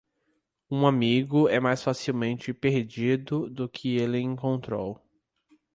Um amigo é mais facilmente perdido do que ele encontrou.